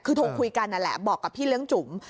คือโทรคุยกันนั่นแหละบอกกับพี่เลี้ยงจุ๋ม